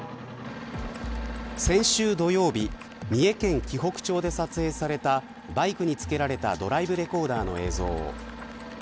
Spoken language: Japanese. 先週土曜日三重県紀北町で撮影されたバイクに付けられたドライブレコーダーの映像。